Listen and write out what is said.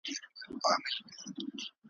او ساړه او توند بادونه ,